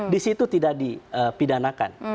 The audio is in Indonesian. disitu tidak dipidanakan